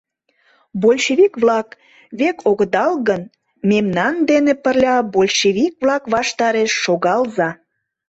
Большевик-влак век огыдал гын, мемнан дене пырля большевик-влак ваштареш шогалза.